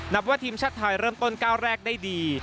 นับว่าทีมชาติไทยเริ่มต้นก้าวแรกได้ดี